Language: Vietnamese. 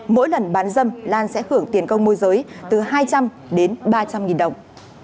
mỗi lần bán dâm lan sẽ hưởng tiền công môi giới từ hai trăm linh đến ba trăm linh nghìn đồng